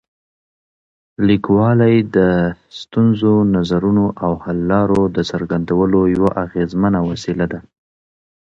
لیکوالی د ستونزو، نظرونو او حل لارو د څرګندولو یوه اغېزمنه وسیله ده.